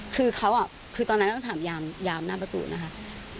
คือเขาคือตอนนั้นต้องถามยามหน้าประตูนะคะ